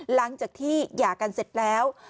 หลังจากที่หย่ากันเสร็จแล้ว